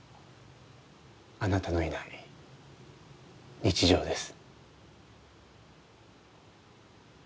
あなたのいない日常です。